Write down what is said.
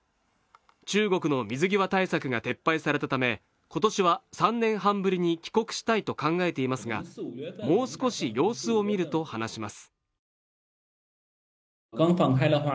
中国の水際対策が撤廃されたため、今年は３年半ぶりに帰国したいと考えていますが、もう少し様子を見ると話します。